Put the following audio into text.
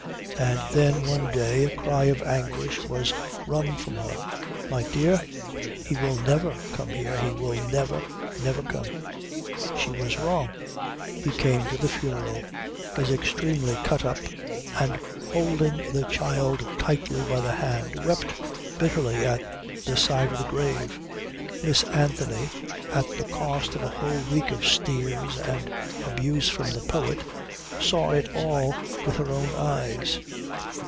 And then one day a cry of anguish was wrung from her: 'My dear, he will never come here, he will never, never come!' She was wrong. He came to the funeral, was extremely cut up, and holding the child tightly by the hand wept bitterly at the side of the grave. Miss Anthony, at the cost of a whole week of sneers and abuse from the poet, saw it all with her own eyes.